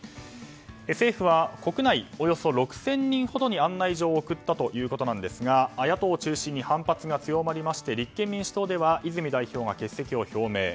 政府は国内およそ６０００人ほどに案内状を送ったということなんですが野党中心に反発が強まりまして立憲民主党では泉代表が欠席を表明。